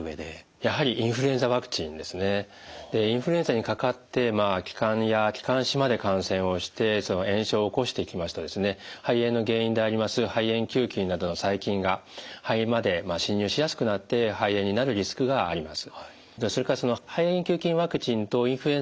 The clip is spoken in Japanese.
やはりインフルエンザにかかって気管や気管支まで感染をして炎症を起こしてきますと肺炎の原因であります肺炎球菌などの細菌が肺まで侵入しやすくなって肺炎になるリスクがあります。